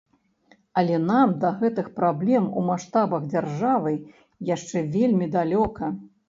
Але нам да гэтых праблем у маштабах дзяржавы яшчэ вельмі далёка.